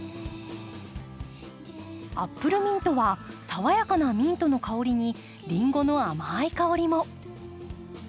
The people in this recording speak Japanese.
アップルミントは爽やかなミントの香りにリンゴの甘い香りも。